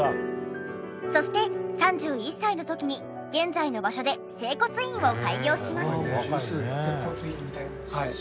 そして３１歳の時に現在の場所で整骨院を開業します。